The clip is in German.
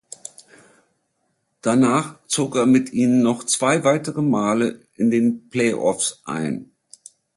Danach zog er mit ihnen noch zwei weitere Male in den Play-offs ein.